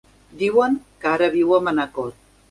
Diuen que ara viu a Manacor.